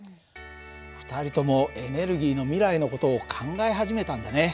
２人ともエネルギーの未来の事を考え始めたんだね。